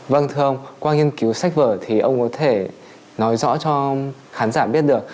vâng thưa ông qua nghiên cứu sách vở thì ông có thể nói rõ cho khán giả biết được